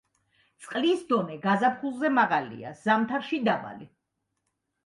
წყლის დონე გაზაფხულზე მაღალია, ზამთარში დაბალი.